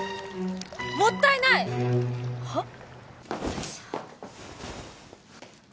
もったいない！はっ？